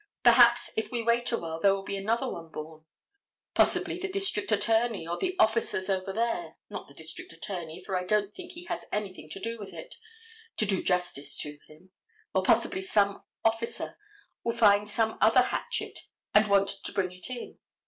Perhaps if we wait awhile there will be another one born. Possibly the district attorney, or the officers over there—not the district attorney, for I don't think he has anything to do with it, to do justice to him, or possibly some officer, will find some other hatchet and want to bring it in.